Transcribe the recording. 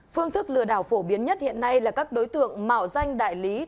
phương thức lừa đảo phổ biến nhất hiện nay là các đối tượng mạo danh đại lý